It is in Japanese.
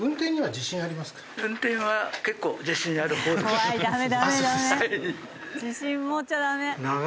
自信持っちゃダメ。